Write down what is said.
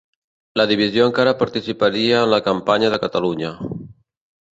La divisió encara participaria en la campanya de Catalunya.